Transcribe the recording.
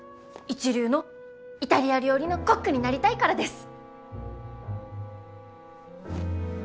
一流のイタリア料理のコックになりたいからです！